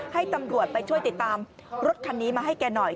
ให้ตำรวจไปช่วยติดตามรถคันนี้มาให้แกหน่อย